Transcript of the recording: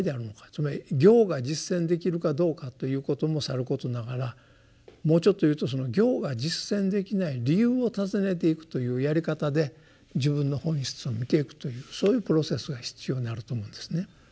つまり行が実践できるかどうかということもさることながらもうちょっと言うと行が実践できない理由を尋ねていくというやり方で自分の本質を見ていくというそういうプロセスが必要になると思うんですね。